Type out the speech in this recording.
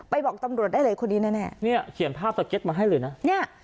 บอกตำรวจได้เลยคนนี้แน่แน่เนี่ยเขียนภาพสเก็ตมาให้เลยนะเนี่ย